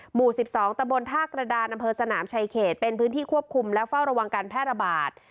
หมู่๑๒ตะบนท่ากระดานอำเภอสนามชายเขตเป็นพื้นที่ควบคุมและเฝ้าระวังการแพร่ระบาด